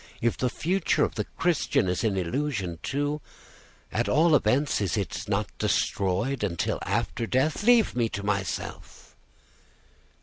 If the future of the Christian is an illusion too, at all events it is not destroyed until after death. Leave me to myself."